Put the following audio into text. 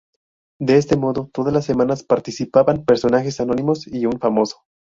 De este modo, todas las semanas participaban personajes anónimos y un famoso.